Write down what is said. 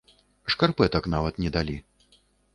Шкарпэтак нават не далі.